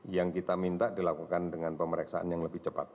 yang kita minta dilakukan dengan pemeriksaan yang lebih cepat